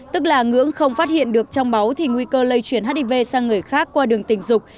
tức là ngưỡng không phát hiện được trong máu thì nguy cơ lây chuyển hiv sang người khác qua đường tình dục